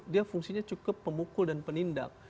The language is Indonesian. dia fungsinya cukup pemukul dan penindak